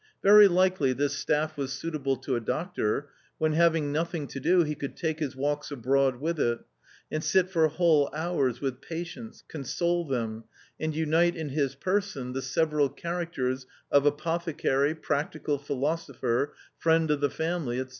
Very likely this staff was suitable to a doctor, when, having nothing to do, he could take his walks abroad with it, and sit for whole hours with patients, console them, and unite in his person the several characters of apothecary, practical philosopher, friend of the family, &c.